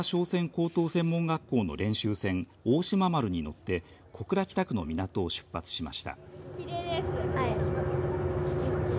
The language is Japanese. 高等専門学校の練習船大島丸に乗って小倉北区の港を出発しました。